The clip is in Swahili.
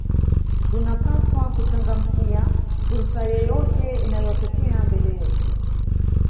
tunapaswa kuchangamkia fursa yeyote inayotokea mbele yetu